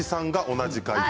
同じ解答。